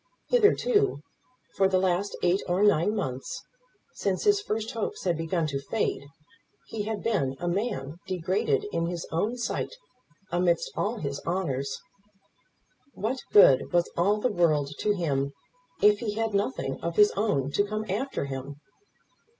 Hitherto, for the last eight or nine months, since his first hopes had begun to fade, he had been a man degraded in his own sight amidst all his honours. What good was all the world to him if he had nothing of his own to come after him?